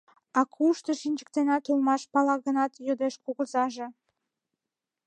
— А кушто шинчыктенат улмаш? — пала гынат, йодеш кугызаже.